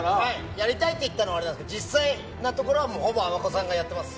やりたいって言ったのは俺だけど、実際のところはほぼ、あまこさんがやってます。